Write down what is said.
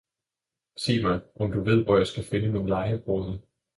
Sig mig, om du ved, hvor jeg skal finde min legebroder?